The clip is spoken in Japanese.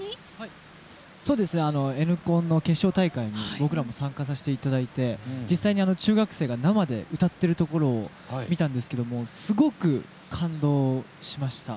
「Ｎコン」の決勝大会に僕らも参加させていただいて実際に中学生が生で歌っているところを見たんですがすごく感動しました。